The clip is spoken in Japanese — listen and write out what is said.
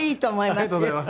ありがとうございます。